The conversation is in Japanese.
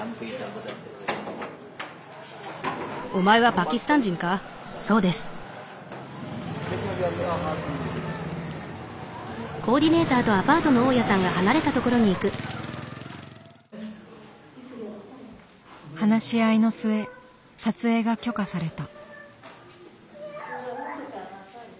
パキスタン人らしいけど。話し合いの末撮影が許可された。